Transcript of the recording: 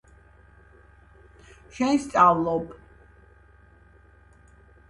შენ სწავლობ